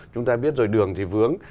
chúng ta biết rồi đường thì vướng